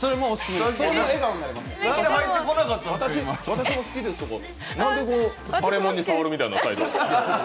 私も好きですって、何で腫れ物に触るみたいな態度？